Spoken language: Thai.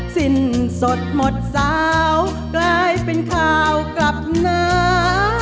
สิ้นสดหมดสาวกลายเป็นข่าวกลับหนา